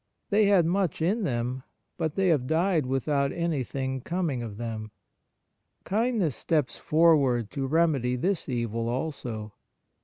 They had much in them, but they have died without anything coming of them. Kindness steps forward to remedy this evil also.